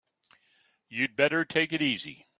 You'd better take it easy.